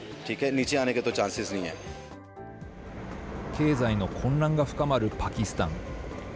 経済の混乱が深まるパキスタン。